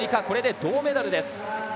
これで銅メダルです。